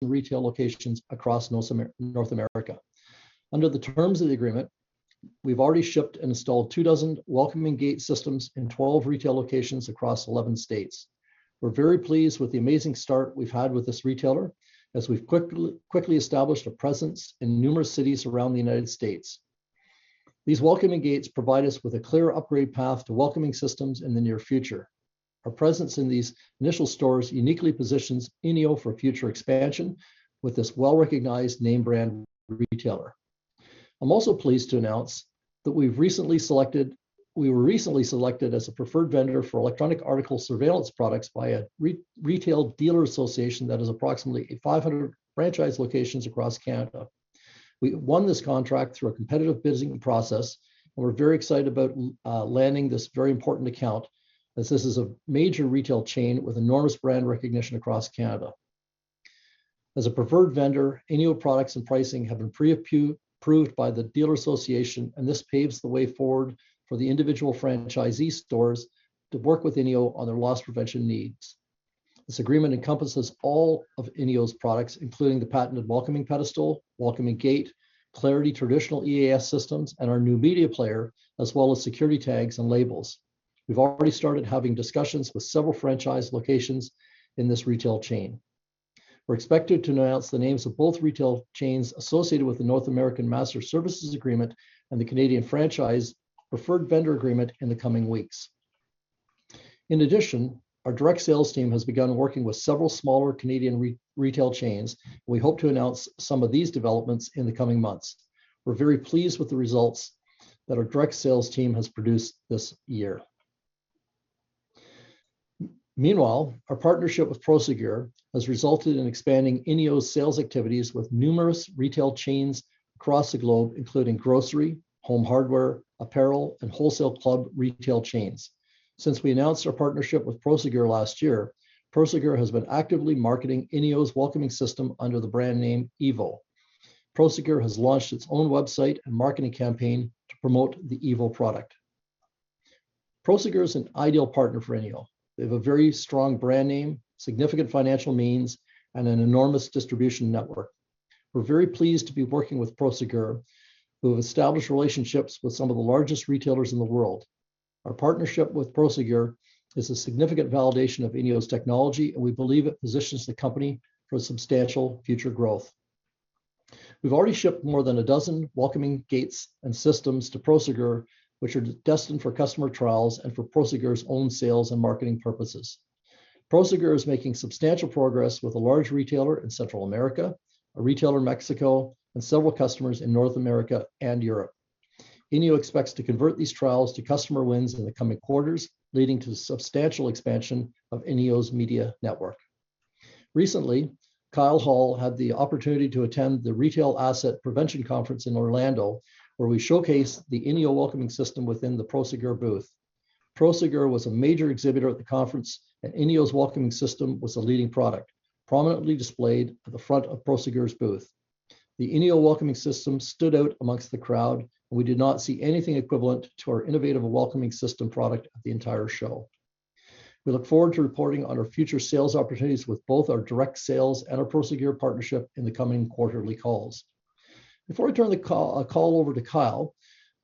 Retail locations across North America. Under the terms of the agreement, we've already shipped and installed 24 Welcoming G.A.T.E. systems in 12 retail locations across 11 states. We're very pleased with the amazing start we've had with this retailer as we've quickly established a presence in numerous cities around the United States. These Welcoming G.A.T.E.s provide us with a clear upgrade path to Welcoming Systems in the near future. Our presence in these initial stores uniquely positions INEO for future expansion with this well-recognized name brand retailer. I'm also pleased to announce that we were recently selected as a preferred vendor for electronic article surveillance products by a retail dealer association that has approximately 500 franchise locations across Canada. We won this contract through a competitive bidding process, and we're very excited about landing this very important account, as this is a major retail chain with enormous brand recognition across Canada. As a preferred vendor, INEO products and pricing have been pre-approved by the dealer association, and this paves the way forward for the individual franchisee stores to work with INEO on their loss prevention needs. This agreement encompasses all of INEO's products, including the patented Welcoming Pedestal, Welcoming G.A.T.E., Clarity traditional EAS systems, and our new Media Player, as well as security tags and labels. We've already started having discussions with several franchise locations in this retail chain. We're expected to announce the names of both retail chains associated with the North American Master Services Agreement and the Canadian Franchise Preferred Vendor Agreement in the coming weeks. In addition, our direct sales team has begun working with several smaller Canadian retail chains. We hope to announce some of these developments in the coming months. We're very pleased with the results that our direct sales team has produced this year. Meanwhile, our partnership with Prosegur has resulted in expanding INEO's sales activities with numerous retail chains across the globe, including grocery, home hardware, apparel, and wholesale club retail chains. Since we announced our partnership with Prosegur last year, Prosegur has been actively marketing INEO's Welcoming System under the brand name EVO. Prosegur has launched its own website and marketing campaign to promote the EVO product. Prosegur is an ideal partner for INEO. They have a very strong brand name, significant financial means, and an enormous distribution network. We're very pleased to be working with Prosegur, who have established relationships with some of the largest retailers in the world. Our partnership with Prosegur is a significant validation of INEO's technology, and we believe it positions the company for substantial future growth. We've already shipped more than a dozen Welcoming G.A.T.E.s and Systems to Prosegur, which are destined for customer trials and for Prosegur's own sales and marketing purposes. Prosegur is making substantial progress with a large retailer in Central America, a retailer in Mexico, and several customers in North America and Europe. INEO expects to convert these trials to customer wins in the coming quarters, leading to substantial expansion of INEO's Media Network. Recently, Kyle Hall had the opportunity to attend the Retail Asset Protection Conference in Orlando, where we showcased the INEO Welcoming System within the Prosegur booth. Prosegur was a major exhibitor at the conference, and INEO's Welcoming System was a leading product, prominently displayed at the front of Prosegur's booth. The INEO Welcoming System stood out amongst the crowd. We did not see anything equivalent to our innovative Welcoming System product at the entire show. We look forward to reporting on our future sales opportunities with both our direct sales and our Prosegur partnership in the coming quarterly calls. Before I turn the call over to Kyle,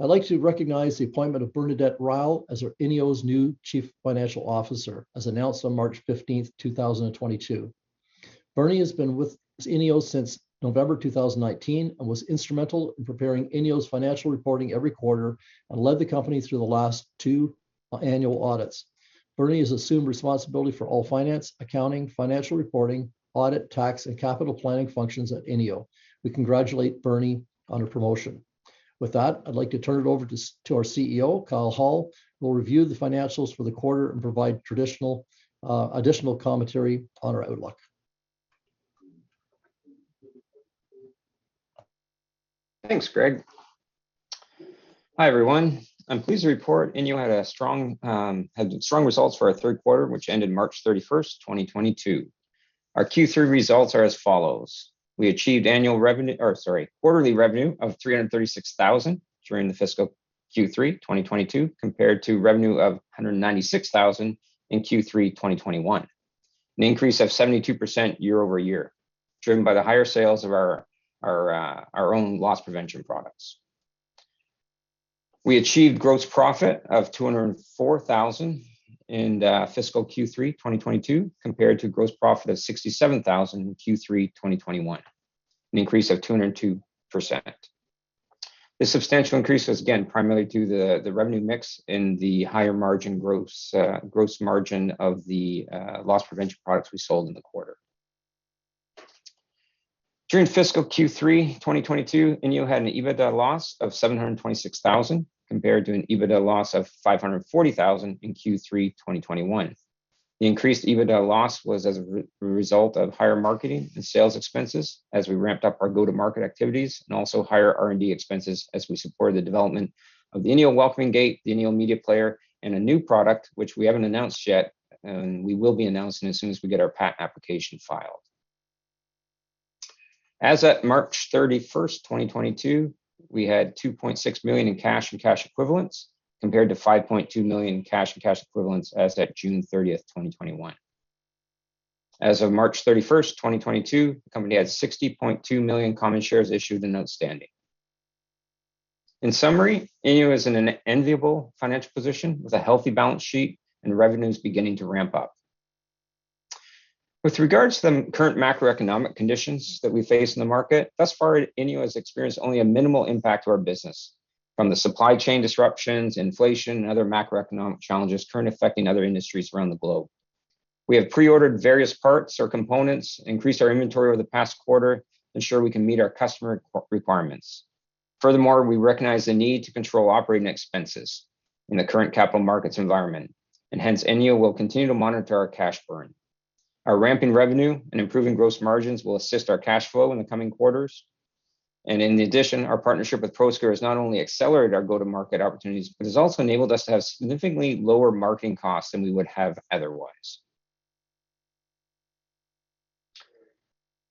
I'd like to recognize the appointment of Bernadette Ryle as our INEO's new Chief Financial Officer, as announced on March 15th, 2022. Bernie has been with INEO since November 2019 and was instrumental in preparing INEO's financial reporting every quarter and led the company through the last two annual audits. Bernie has assumed responsibility for all finance, accounting, financial reporting, audit, tax, and capital planning functions at INEO. We congratulate Bernie on her promotion. With that, I'd like to turn it over to our CEO, Kyle Hall, who will review the financials for the quarter and provide traditional, additional commentary on our outlook. Thanks, Greg. Hi, everyone. I'm pleased to report INEO had strong results for our third quarter, which ended March 31st, 2022. Our Q3 results are as follows. We achieved quarterly revenue of 336,000 during the fiscal Q3 2022 compared to revenue of 196,000 in Q3 2021, an increase of 72% year-over-year, driven by the higher sales of our own loss prevention products. We achieved gross profit of 204,000 in fiscal Q3 2022 compared to gross profit of 67,000 in Q3 2021, an increase of 202%. This substantial increase was again primarily due to the revenue mix and the higher gross margin of the loss prevention products we sold in the quarter. During fiscal Q3 2022, INEO had an EBITDA loss of 726,000 compared to an EBITDA loss of 540,000 in Q3 2021. The increased EBITDA loss was as a result of higher marketing and sales expenses as we ramped up our go-to-market activities and also higher R&D expenses as we supported the development of the INEO Welcoming G.A.T.E., the INEO Media Player, and a new product which we haven't announced yet, and we will be announcing as soon as we get our patent application filed. As at March 31st, 2022, we had 2.6 million in cash and cash equivalents compared to 5.2 million in cash and cash equivalents as at June 30th, 2021. As of March 31st, 2022, the company had 60.2 million common shares issued and outstanding. In summary, INEO is in an enviable financial position with a healthy balance sheet and revenues beginning to ramp up. With regards to the current macroeconomic conditions that we face in the market, thus far INEO has experienced only a minimal impact to our business from the supply chain disruptions, inflation, and other macroeconomic challenges currently affecting other industries around the globe. We have pre-ordered various parts or components, increased our inventory over the past quarter, ensure we can meet our customer requirements. Furthermore, we recognize the need to control operating expenses in the current capital markets environment, and hence INEO will continue to monitor our cash burn. Our ramping revenue and improving gross margins will assist our cash flow in the coming quarters. In addition, our partnership with Prosegur has not only accelerated our go-to-market opportunities, but has also enabled us to have significantly lower marketing costs than we would have otherwise.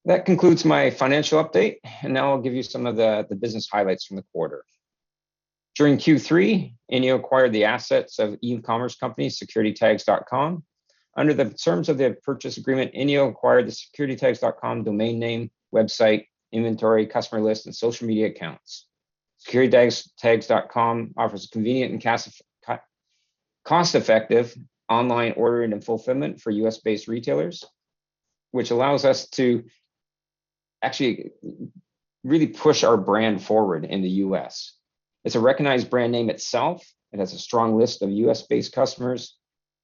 That concludes my financial update, and now I'll give you some of the business highlights from the quarter. During Q3, INEO acquired the assets of e-commerce company Securitytags.com. Under the terms of the purchase agreement, INEO acquired the Securitytags.com domain name, website, inventory, customer list, and social media accounts. Securitytags.com offers convenient and cost-effective online ordering and fulfillment for U.S.-based retailers, which allows us to actually really push our brand forward in the U.S. It's a recognized brand name itself. It has a strong list of U.S.-based customers,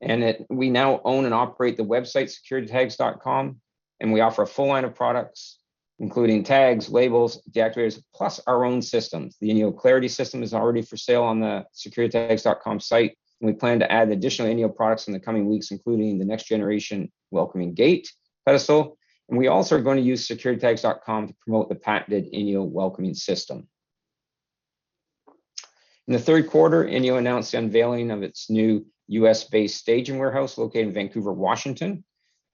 and we now own and operate the website Securitytags.com, and we offer a full line of products, including tags, labels, deactivators, plus our own systems. The INEO Clarity system is already for sale on the Securitytags.com site, and we plan to add additional INEO products in the coming weeks, including the next generation Welcoming G.A.T.E. pedestal, and we also are gonna use Securitytags.com to promote the patented INEO Welcoming System. In the third quarter, INEO announced the unveiling of its new U.S.-based staging warehouse located in Vancouver, Washington.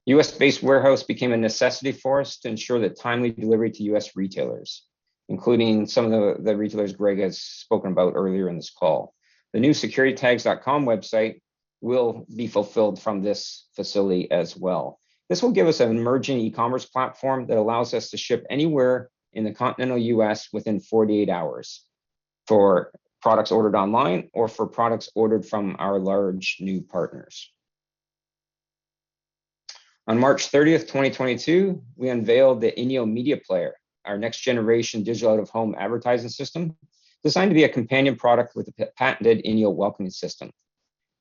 U.S.-based warehouse became a necessity for us to ensure the timely delivery to U.S. retailers, including some of the retailers Greg has spoken about earlier in this call. The new Securitytags.com website will be fulfilled from this facility as well. This will give us an emerging e-commerce platform that allows us to ship anywhere in the continental U.S. within 48 hours for products ordered online or for products ordered from our large new partners. On March 30th, 2022, we unveiled the INEO Media Player, our next generation digital out-of-home advertising system designed to be a companion product with the patented INEO Welcoming System.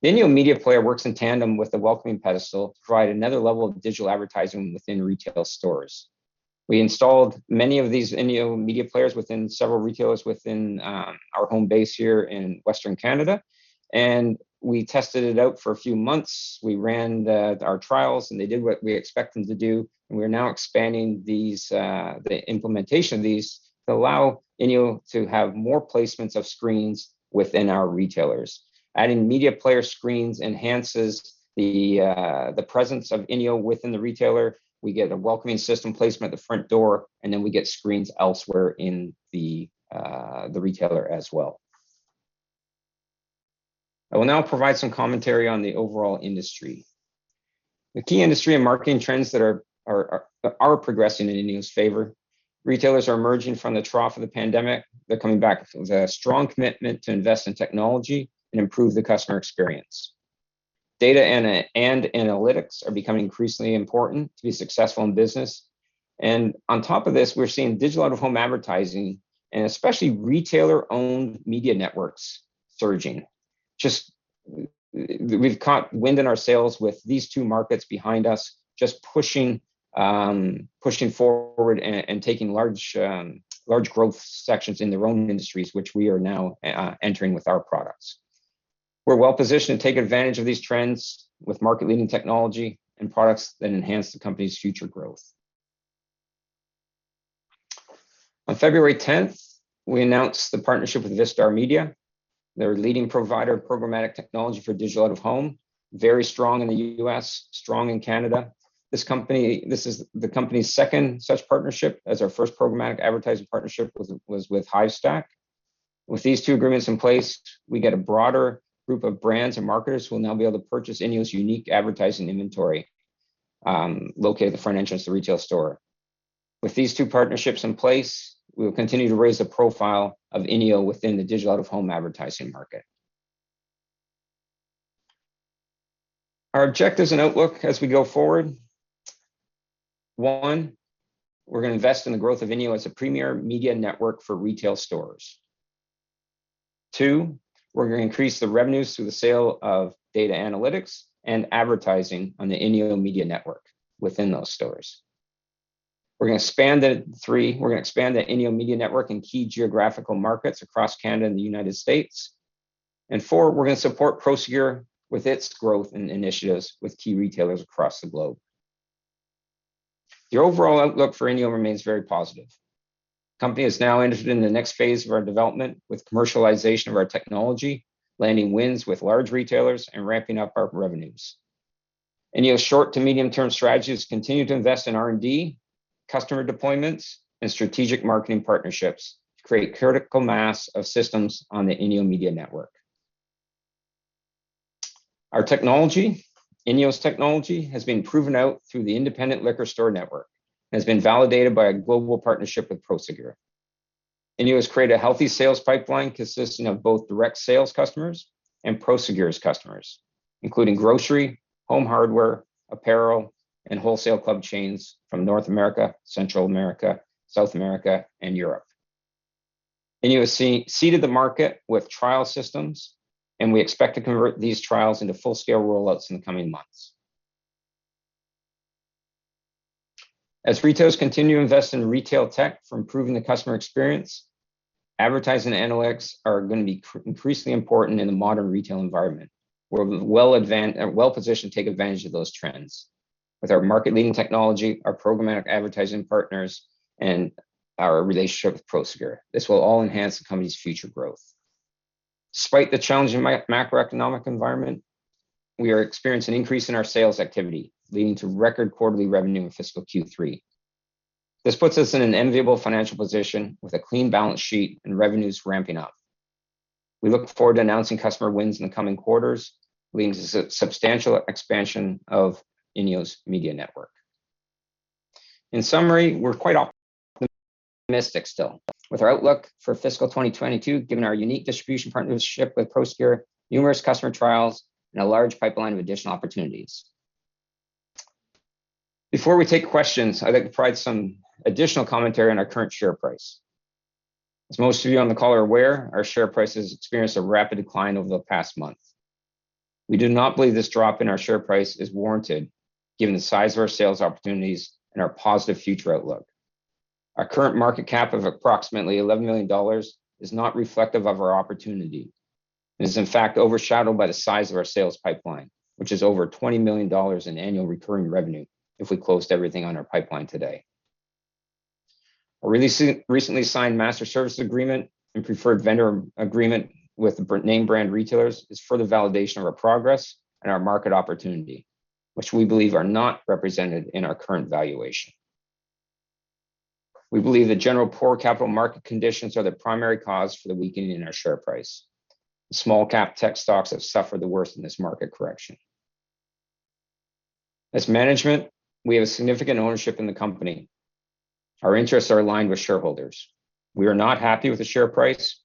The INEO Media Player works in tandem with the Welcoming Pedestal to provide another level of digital advertising within retail stores. We installed many of these INEO Media Players within several retailers within our home base here in Western Canada, and we tested it out for a few months. We ran our trials, and they did what we expect them to do, and we're now expanding these the implementation of these to allow INEO to have more placements of screens within our retailers. Adding Media Player screens enhances the presence of INEO within the retailer. We get a Welcoming System placement at the front door, and then we get screens elsewhere in the retailer as well. I will now provide some commentary on the overall industry. The key industry and marketing trends that are progressing in INEO's favor. Retailers are emerging from the trough of the pandemic. They're coming back with a strong commitment to invest in technology and improve the customer experience. Data and analytics are becoming increasingly important to be successful in business. On top of this, we're seeing digital out-of-home advertising and especially retailer-owned Media Networks surging. Just we've caught wind in our sails with these two markets behind us, just pushing forward and taking large growth sections in their own industries, which we are now entering with our products. We're well-positioned to take advantage of these trends with market-leading technology and products that enhance the company's future growth. On February 10th, we announced the partnership with Vistar Media. They're a leading provider of programmatic technology for digital out-of-home, very strong in the U.S., strong in Canada. This is the company's second such partnership, as our first programmatic advertising partnership was with Hivestack. With these two agreements in place, we get a broader group of brands and marketers who will now be able to purchase INEO's unique advertising inventory, located at the front entrance of the retail store. With these two partnerships in place, we will continue to raise the profile of INEO within the digital out-of-home advertising market. Our objectives and outlook as we go forward. One, we're gonna invest in the growth of INEO as a premier Media Network for retail stores. Two, we're gonna increase the revenues through the sale of data analytics and advertising on the INEO Media Network within those stores. We're gonna expand. Three, we're gonna expand the INEO Media Network in key geographical markets across Canada and the United States. Four, we're gonna support Prosegur with its growth and initiatives with key retailers across the globe. The overall outlook for INEO remains very positive. The company has now entered in the next phase of our development with commercialization of our technology, landing wins with large retailers, and ramping up our revenues. INEO's short- to medium-term strategy is to continue to invest in R&D, customer deployments, and strategic marketing partnerships to create critical mass of systems on the INEO Media Network. Our INEO technology has been proven out through the independent liquor store network, and has been validated by a global partnership with Prosegur. INEO has created a healthy sales pipeline consisting of both direct sales customers and Prosegur's customers, including grocery, home hardware, apparel, and wholesale club chains from North America, Central America, South America, and Europe. INEO has seeded the market with trial systems, and we expect to convert these trials into full-scale rollouts in the coming months. As retailers continue to invest in retail tech for improving the customer experience, advertising and analytics are gonna be increasingly important in the modern retail environment. We're well-positioned to take advantage of those trends with our market-leading technology, our programmatic advertising partners, and our relationship with Prosegur. This will all enhance the company's future growth. Despite the challenging macroeconomic environment, we are experiencing an increase in our sales activity, leading to record quarterly revenue in fiscal Q3. This puts us in an enviable financial position with a clean balance sheet and revenues ramping up. We look forward to announcing customer wins in the coming quarters leading to substantial expansion of INEO's Media Network. In summary, we're quite optimistic still with our outlook for fiscal 2022, given our unique distribution partnership with Prosegur, numerous customer trials, and a large pipeline of additional opportunities. Before we take questions, I'd like to provide some additional commentary on our current share price. As most of you on the call are aware, our share price has experienced a rapid decline over the past month. We do not believe this drop in our share price is warranted given the size of our sales opportunities and our positive future outlook. Our current market cap of approximately 11 million dollars is not reflective of our opportunity, and is in fact overshadowed by the size of our sales pipeline, which is over 20 million dollars in annual recurring revenue if we closed everything on our pipeline today. Our recently signed master services agreement and preferred vendor agreement with the brand-name brand retailers is further validation of our progress and our market opportunity, which we believe are not represented in our current valuation. We believe the general poor capital market conditions are the primary cause for the weakening in our share price, as small-cap tech stocks have suffered the worst in this market correction. As management, we have a significant ownership in the company. Our interests are aligned with shareholders. We are not happy with the share price,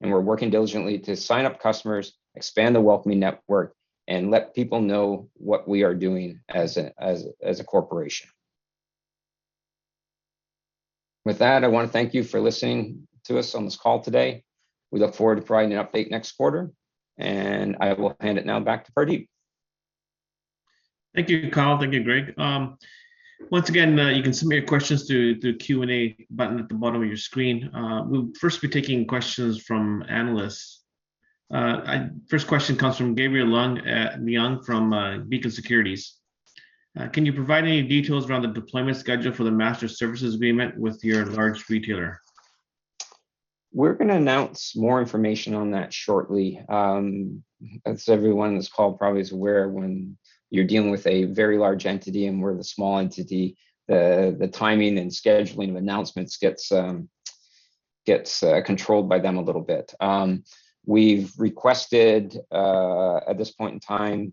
and we're working diligently to sign up customers, expand the Welcoming network, and let people know what we are doing as a corporation. With that, I wanna thank you for listening to us on this call today. We look forward to providing an update next quarter, and I will hand it now back to Pardeep. Thank you, Kyle. Thank you, Greg. Once again, you can submit your questions through the Q&A button at the bottom of your screen. We'll first be taking questions from analysts. First question comes from Gabriel Leung, from, Beacon Securities. Can you provide any details around the deployment schedule for the master services agreement with your large retailer? We're gonna announce more information on that shortly. As everyone on this call probably is aware, when you're dealing with a very large entity, and we're the small entity, the timing and scheduling of announcements gets controlled by them a little bit. We've requested, at this point in time,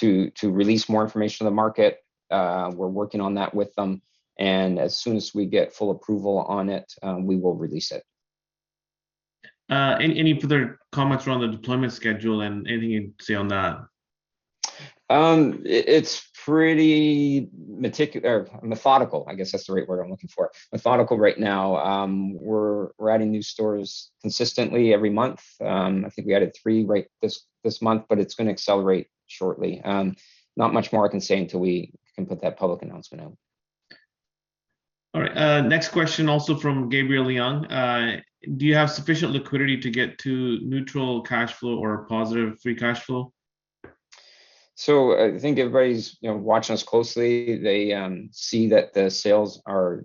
to release more information to the market. We're working on that with them, and as soon as we get full approval on it, we will release it. Any further comments around the deployment schedule and anything you can say on that? It's pretty methodical. I guess that's the right word I'm looking for. Methodical right now. We're adding new stores consistently every month. I think we added three right this month, but it's gonna accelerate shortly. Not much more I can say until we can put that public announcement out. All right. Next question also from Gabriel Leung. Do you have sufficient liquidity to get to neutral cash flow or positive free cash flow? I think everybody's, you know, watching us closely. They see that the sales are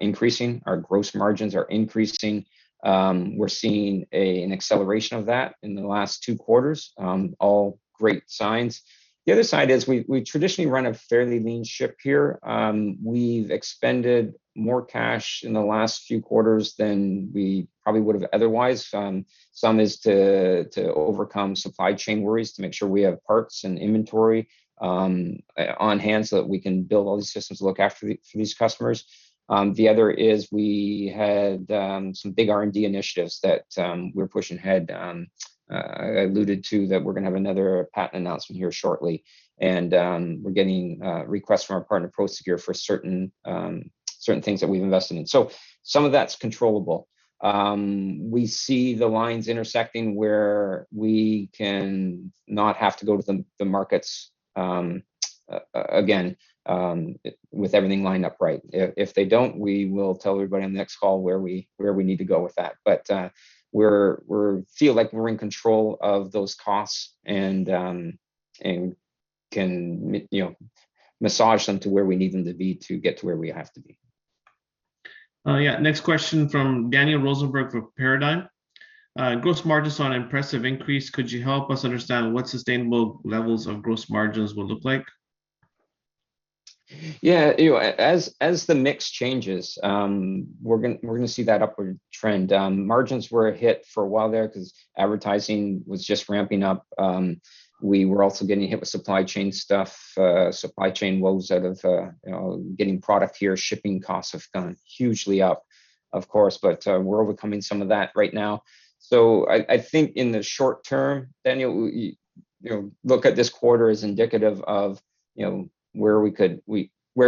increasing, our gross margins are increasing. We're seeing an acceleration of that in the last two quarters. All great signs. The other side is we traditionally run a fairly lean ship here. We've expended more cash in the last few quarters than we probably would have otherwise. Some is to overcome supply chain worries, to make sure we have parts and inventory on hand so that we can build all these systems to look after these customers. The other is we had some big R&D initiatives that we're pushing ahead. I alluded to that we're gonna have another patent announcement here shortly, and we're getting requests from our partner Prosegur for certain things that we've invested in. Some of that's controllable. We see the lines intersecting where we can not have to go to the markets again with everything lined up right. If they don't, we will tell everybody on the next call where we need to go with that. We feel like we're in control of those costs and can, you know, massage them to where we need them to be to get to where we have to be. Oh, yeah. Next question from Daniel Rosenberg from Paradigm Capital. Gross margins' impressive increase, could you help us understand what sustainable levels of gross margins will look like? Yeah. You know, as the mix changes, we're gonna see that upward trend. Margins were hit for a while there 'cause advertising was just ramping up. We were also getting hit with supply chain stuff, supply chain woes out of, you know, getting product here, shipping costs have gone hugely up, of course, but we're overcoming some of that right now. I think in the short term, Daniel, you know, look at this quarter as indicative of, you know, where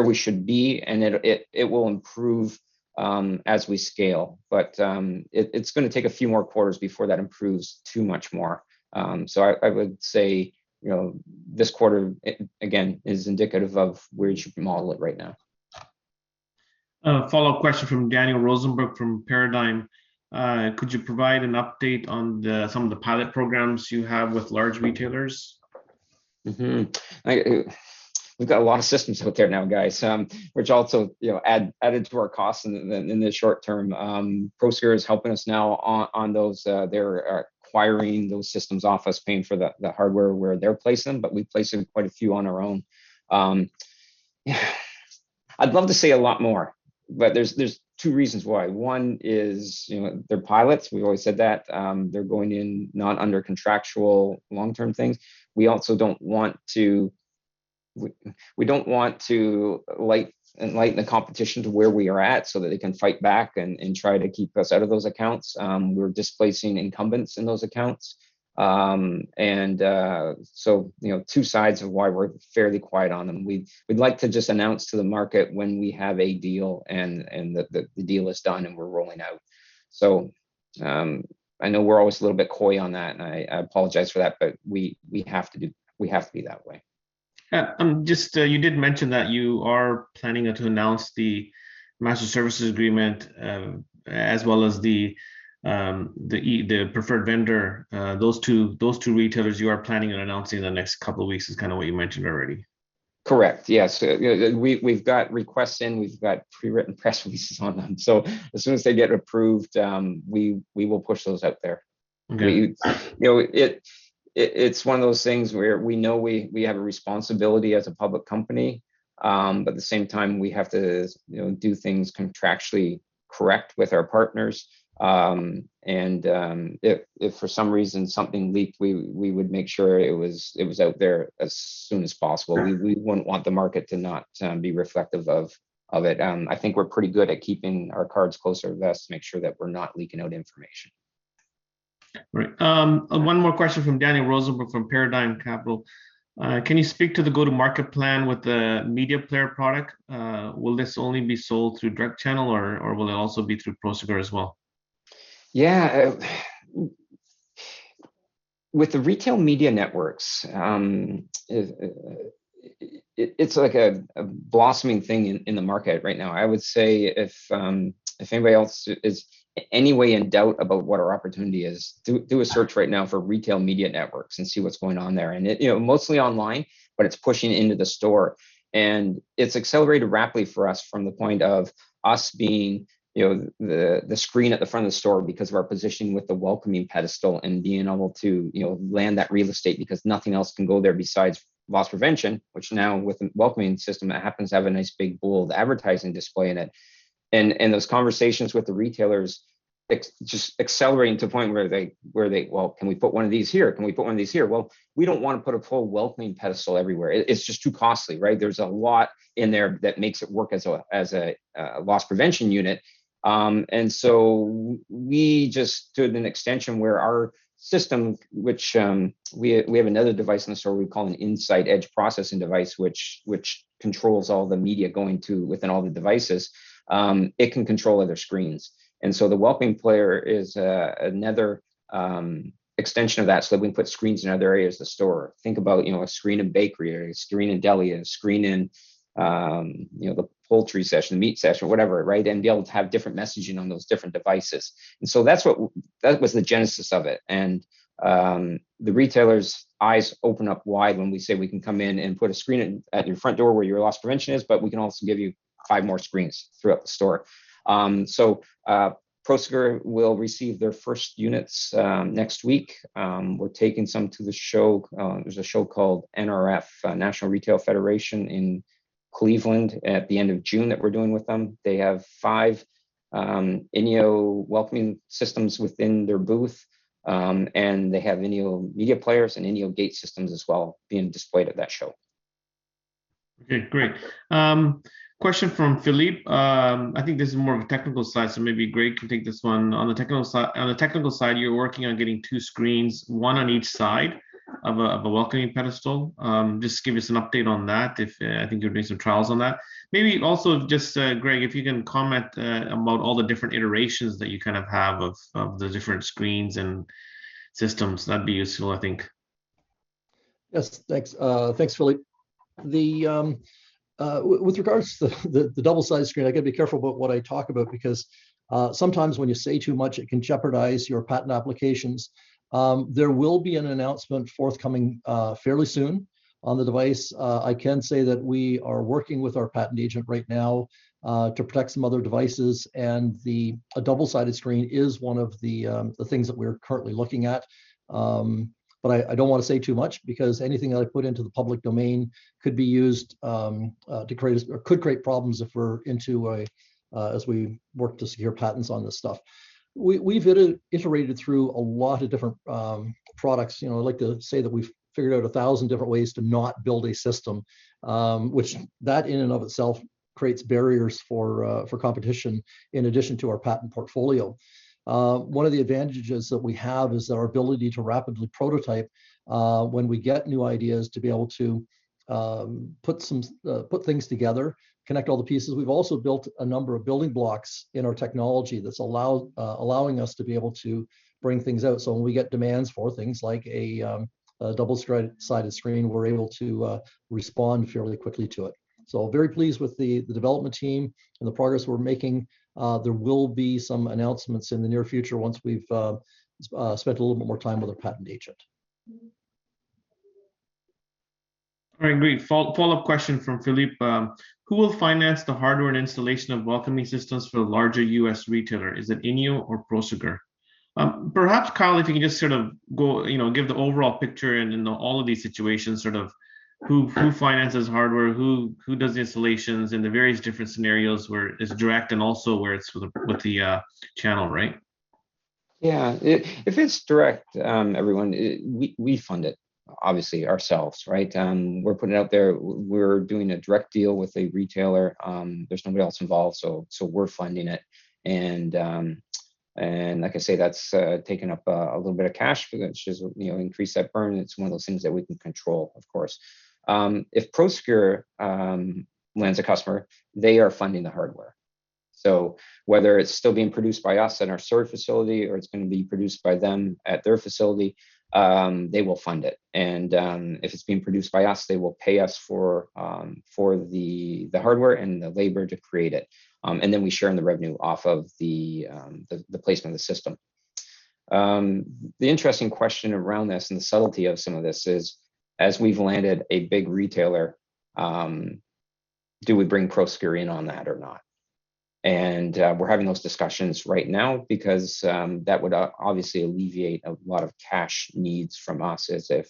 we should be, and it will improve as we scale. It's gonna take a few more quarters before that improves too much more. I would say, you know, this quarter, again, is indicative of where you should model it right now. A follow-up question from Daniel Rosenberg from Paradigm Capital. Could you provide an update on some of the pilot programs you have with large retailers? We've got a lot of systems out there now, guys, which also, you know, added to our costs in the short term. Prosegur is helping us now on those. They're acquiring those systems off us, paying for the hardware where they're placed in, but we placed in quite a few on our own. I'd love to say a lot more, but there's two reasons why. One is, you know, they're pilots. We've always said that. They're going in not under contractual long-term things. We also don't want to enlighten the competition to where we are at so that they can fight back and try to keep us out of those accounts. We're displacing incumbents in those accounts. You know, two sides of why we're fairly quiet on them. We'd like to just announce to the market when we have a deal and the deal is done and we're rolling out. I know we're always a little bit coy on that, and I apologize for that, but we have to do, we have to be that way. Yeah. Just, you did mention that you are planning to announce the master services agreement as well as the preferred vendor. Those two retailers you are planning on announcing in the next couple of weeks is kinda what you mentioned already. Correct. Yes. You know, we've got requests in. We've got pre-written press releases on them. As soon as they get approved, we will push those out there. Okay. You know, it's one of those things where we know we have a responsibility as a public company, but at the same time we have to, you know, do things contractually correct with our partners. If for some reason something leaked, we would make sure it was out there as soon as possible. Right. We wouldn't want the market to not be reflective of it. I think we're pretty good at keeping our cards close to the vest to make sure that we're not leaking out information. Right. One more question from Daniel Rosenberg from Paradigm Capital. Can you speak to the go-to-market plan with the Media Player product? Will this only be sold through direct channel or will it also be through Prosegur as well? Yeah. With the retail Media Networks, it's like a blossoming thing in the market right now. I would say if anybody else is any way in doubt about what our opportunity is, do a search right now for retail Media Networks and see what's going on there. It, you know, mostly online, but it's pushing into the store. It's accelerated rapidly for us from the point of us being, you know, the screen at the front of the store because of our position with the Welcoming Pedestal and being able to, you know, land that real estate because nothing else can go there besides loss prevention, which now with a Welcoming System, it happens to have a nice big bold advertising display in it. Those conversations with the retailers just accelerating to a point where they, "Well, can we put one of these here? Can we put one of these here?" Well, we don't wanna put a full Welcoming Pedestal everywhere. It's just too costly, right? There's a lot in there that makes it work as a loss prevention unit. We just did an extension where our system, which we have another device in the store we call an inside edge processing device, which controls all the media going to within all the devices, it can control other screens. The Welcoming Player is another extension of that so that we can put screens in other areas of the store. Think about, you know, a screen in bakery, or a screen in deli, a screen in, you know, the poultry section, the meat section, whatever, right? Be able to have different messaging on those different devices. That was the genesis of it. The retailers' eyes open up wide when we say, "We can come in and put a screen in at your front door where your loss prevention is, but we can also give you five more screens throughout the store." Prosegur will receive their first units next week. We're taking some to the show. There's a show called NRF, National Retail Federation, in Cleveland at the end of June that we're doing with them. They have five INEO Welcoming Systems within their booth, and they have INEO Media Players and INEO G.A.T.E. Systems as well being displayed at that show. Okay. Great. Question from Philippe. I think this is more of a technical side, so maybe Greg can take this one. On the technical side, you're working on getting two screens, one on each side of a Welcoming Pedestal. Just give us an update on that. I think you're doing some trials on that. Maybe also just, Greg, if you can comment about all the different iterations that you kind of have of the different screens and systems. That'd be useful, I think. Yes. Thanks. Thanks, Philippe. With regards to the double-sided screen, I gotta be careful about what I talk about because sometimes when you say too much, it can jeopardize your patent applications. There will be an announcement forthcoming fairly soon on the device. I can say that we are working with our patent agent right now to protect some other devices, and a double-sided screen is one of the things that we're currently looking at. But I don't wanna say too much because anything that I put into the public domain could be used or could create problems as we work to secure patents on this stuff. We've iterated through a lot of different products. You know, I'd like to say that we've figured out 1,000 different ways to not build a system, which, in and of itself, creates barriers for competition in addition to our patent portfolio. One of the advantages that we have is our ability to rapidly prototype when we get new ideas, to be able to put things together, connect all the pieces. We've also built a number of building blocks in our technology that's allowing us to be able to bring things out, so when we get demands for things like a double-sided screen, we're able to respond fairly quickly to it. Very pleased with the development team and the progress we're making. There will be some announcements in the near future once we've spent a little bit more time with our patent agent. All right, great. Follow-up question from Philippe. Who will finance the hardware and installation of Welcoming Systems for the larger U.S. retailer? Is it INEO or Prosegur? Perhaps Kyle, if you can just sort of go, you know, give the overall picture in all of these situations, sort of who finances hardware, who does the installations in the various different scenarios where it's direct and also where it's with the channel, right? Yeah. If it's direct, we fund it obviously ourselves, right? We're putting it out there. We're doing a direct deal with a retailer. There's nobody else involved, so we're funding it. Like I say, that's taken up a little bit of cash, which is, you know, increased that burn. It's one of those things that we can control, of course. If Prosegur lands a customer, they are funding the hardware. So whether it's still being produced by us in our Surrey facility or it's gonna be produced by them at their facility, they will fund it. If it's being produced by us, they will pay us for the hardware and the labor to create it. We share in the revenue off of the placement of the system. The interesting question around this and the subtlety of some of this is, as we've landed a big retailer, do we bring Prosegur in on that or not? We're having those discussions right now because that would obviously alleviate a lot of cash needs from us as if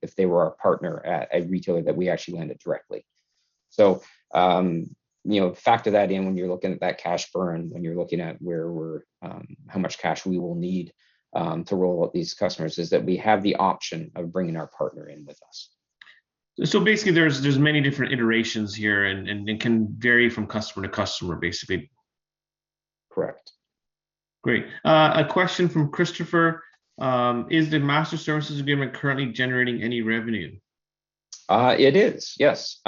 if they were our partner at a retailer that we actually landed directly. You know, factor that in when you're looking at that cash burn, when you're looking at where we're how much cash we will need to roll out these customers, is that we have the option of bringing our partner in with us. Basically, there's many different iterations here and it can vary from customer to customer, basically. Correct. Great. A question from Christopher. Is the managed services agreement currently generating any revenue? It is. Yes.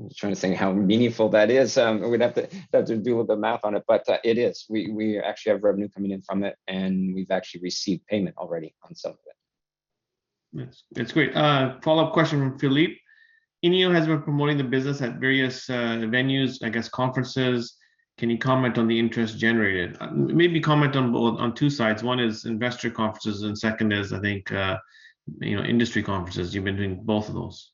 I'm just trying to think how meaningful that is. We'd have to do the math on it, but it is. We actually have revenue coming in from it, and we've actually received payment already on some of it. That's great. Follow-up question from Philippe. INEO has been promoting the business at various venues, I guess conferences. Can you comment on the interest generated? Maybe comment on both, on two sides. One is investor conferences, and second is, I think, you know, industry conferences. You've been doing both of those.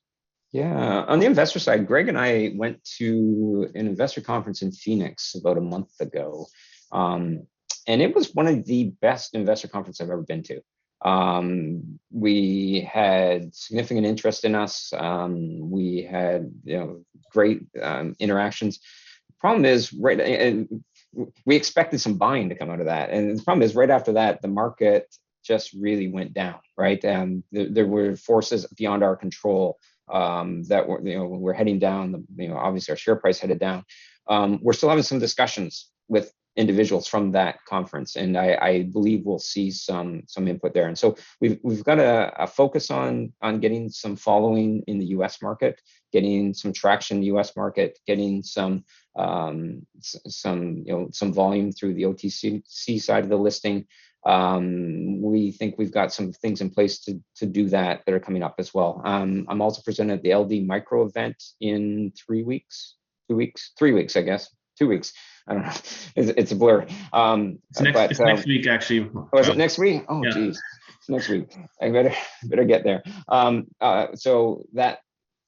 Yeah. On the investor side, Greg and I went to an investor conference in Phoenix about a month ago, and it was one of the best investor conferences I've ever been to. We had significant interest in us. We had, you know, great interactions. The problem is, right, we expected some buying to come out of that, and the problem is right after that, the market just really went down, right? There were forces beyond our control that were, you know, we're heading down, you know, obviously our share price headed down. We're still having some discussions with individuals from that conference, and I believe we'll see some input there. We've got a focus on getting some following in the U.S. market, getting some traction in the U.S. market, getting some, you know, some volume through the OTC side of the listing. We think we've got some things in place to do that that are coming up as well. I'm also presenting at the LD Micro event in three weeks. Two weeks? Three weeks, I guess. Two weeks. I don't know. It's a blur. It's next week, actually. Oh, is it next week? Yeah. Oh, geez. It's next week. I better get there.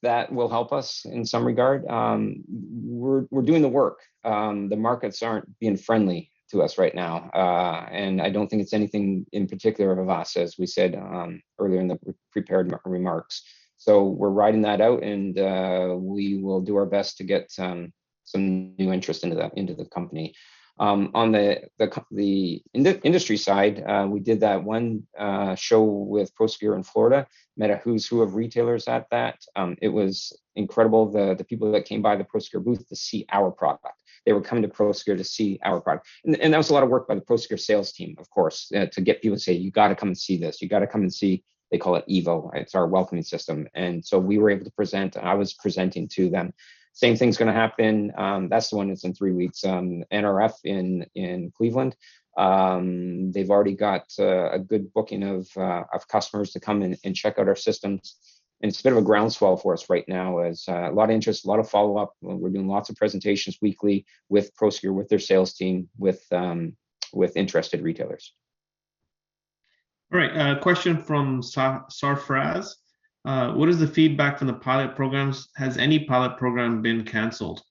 That will help us in some regard. We're doing the work. The markets aren't being friendly to us right now, and I don't think it's anything in particular of us, as we said earlier in the prepared remarks. We're riding that out, and we will do our best to get some new interest into the company. On the industry side, we did that one show with Prosegur in Florida. Met a who's who of retailers at that. It was incredible, the people that came by the Prosegur booth to see our product. They were coming to Prosegur to see our product. that was a lot of work by the Prosegur sales team, of course, to get people to say, "You gotta come and see this. You gotta come and see." They call it EVO. It's our Welcoming System. We were able to present, and I was presenting to them. Same thing's gonna happen, that's the one that's in three weeks, NRF in Cleveland. They've already got a good booking of customers to come and check out our systems. It's a bit of a groundswell for us right now as a lot of interest, a lot of follow-up. We're doing lots of presentations weekly with Prosegur, with their sales team, with interested retailers. All right, a question from Sarfraz. What is the feedback from the pilot programs? Has any pilot program been canceled?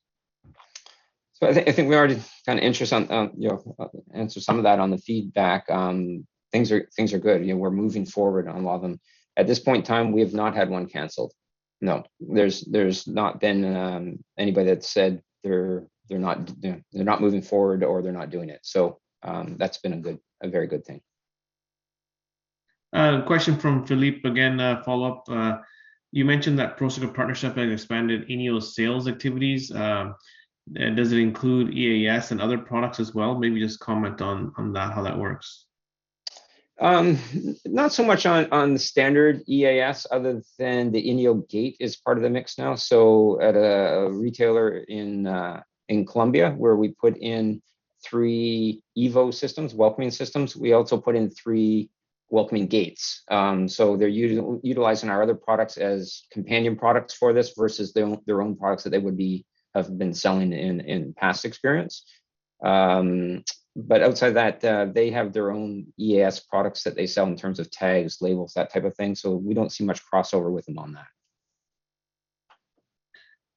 I think we already kind of touched on you know answer some of that on the feedback. Things are good. You know, we're moving forward on a lot of them. At this point in time, we have not had one canceled, no. There's not been anybody that said they're not you know they're not moving forward or they're not doing it. That's been a very good thing. Question from Philippe again, a follow-up. You mentioned that Prosegur partnership has expanded INEO's sales activities. Does it include EAS and other products as well? Maybe just comment on that, how that works. Not so much on the standard EAS other than the Welcoming G.A.T.E. is part of the mix now. At a retailer in Colombia where we put in three EVO systems, Welcoming Systems, we also put in three Welcoming G.A.T.E.s. They're utilizing our other products as companion products for this versus their own products that they have been selling in past experience. Outside of that, they have their own EAS products that they sell in terms of tags, labels, that type of thing, so we don't see much crossover with them on that.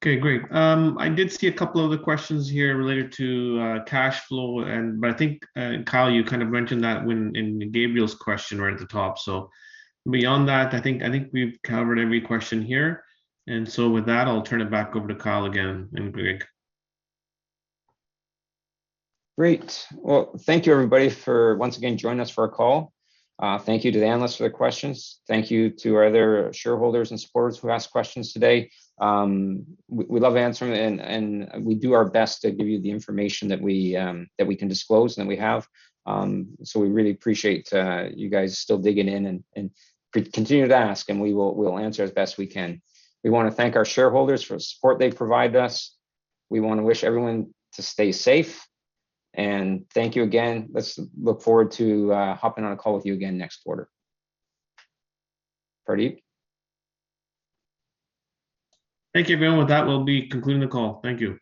Okay, great. I did see a couple other questions here related to cash flow, but I think, Kyle, you kind of mentioned that when in Gabriel's question right at the top. Beyond that, I think we've covered every question here. With that, I'll turn it back over to Kyle again and Greg. Great. Well, thank you everybody for once again joining us for our call. Thank you to the analysts for the questions. Thank you to our other shareholders and supporters who asked questions today. We love answering and we do our best to give you the information that we can disclose and that we have. So we really appreciate you guys still digging in and continue to ask, and we'll answer as best we can. We wanna thank our shareholders for the support they provide us. We wanna wish everyone to stay safe, and thank you again. Let's look forward to hopping on a call with you again next quarter. Pardeep? Thank you everyone. With that, we'll be concluding the call. Thank you.